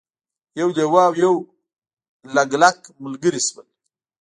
یو لیوه او یو لګلګ ملګري شول.